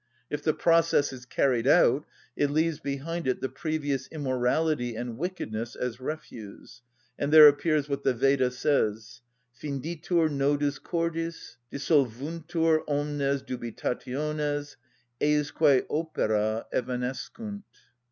If the process is carried out, it leaves behind it the previous immorality and wickedness as refuse, and there appears what the Veda says: "_Finditur nodus cordis, dissolvuntur omnes dubitationes, ejusque opera evanescunt.